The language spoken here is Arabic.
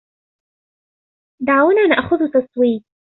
دعونا نأخذ تصويت.